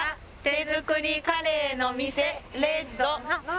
「手作りカレーの店朱の」